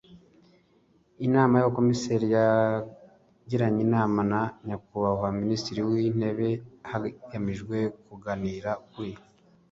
Inama y Abakomiseri yagiranye inama na Nyakubahwa Minisitiri w Intebe hagamijwe kuganira kuri